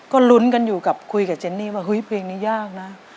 ก็ลุ้นกันอยู่กับคุยกับเจนนี่ว่าเฮ้ยเพลงนี้ยากนะ